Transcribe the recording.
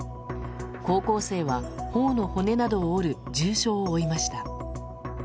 高校生は、頬の骨などを折る重傷を負いました。